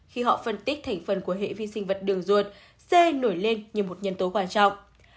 khi họ phân tích thành phần của hệ vi sinh vật đường ruột c nổi lên như một nhân tố quan trọng